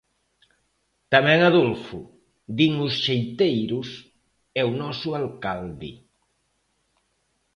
Tamén Adolfo, din os xeiteiros, é o noso alcalde.